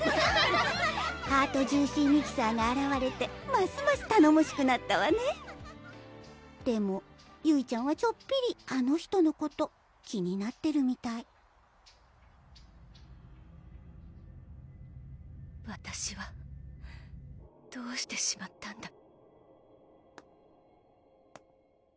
ハートジューシーミキサーがあらわれてますますたのもしくなったわねでもゆいちゃんはちょっぴりあの人のこと気になってるみたいわたしはどうしてしまったんだ